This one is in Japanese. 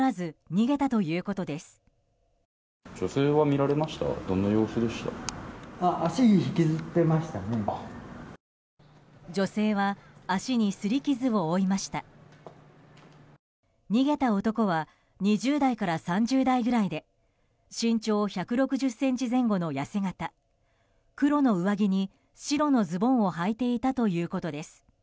逃げた男は２０代から３０代ぐらいで身長１６０ｃｍ前後の痩せ形黒の上着に白のズボンをはいていたということです。